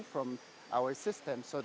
air cair dari sistem kita